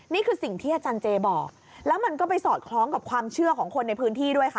นี่คือสิ่งที่อาจารย์เจบอกแล้วมันก็ไปสอดคล้องกับความเชื่อของคนในพื้นที่ด้วยค่ะ